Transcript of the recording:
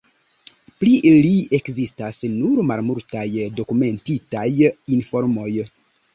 Pri li ekzistas nur malmultaj dokumentitaj informoj.